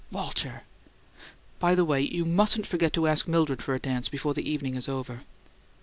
"Walter! By the way, you mustn't forget to ask Mildred for a dance before the evening is over."